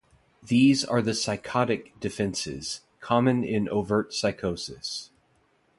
These are the "psychotic" defences, common in overt psychosis.